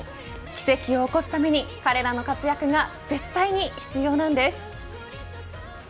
奇跡を起こすために彼らの活躍が絶対に必要なんです。